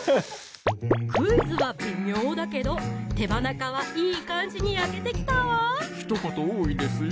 クイズは微妙だけど手羽中はいい感じに焼けてきたわひと言多いですよ